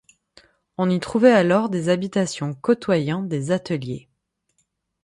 On y trouvait alors des habitations côtoyant des ateliers.